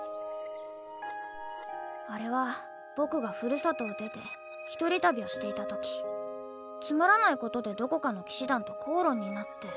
あれは僕がふるさとを出て１人旅をしていたときつまらないことでどこかの騎士団と口論になって。